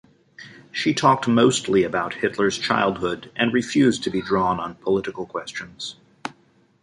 She talked mostly about Hitler's childhood and refused to be drawn on political questions.